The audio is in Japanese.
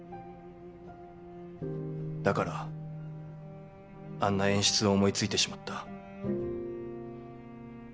だからあんな演出を思いついてしまった。